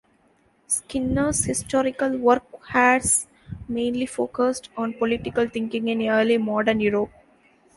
Skinner's historical work has mainly focused on political thinking in early-modern Europe.